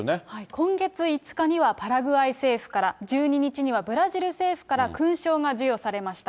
今月５日にはパラグアイ政府から、１２日にはブラジル政府から勲章が授与されました。